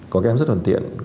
có các em rất là thuần tiện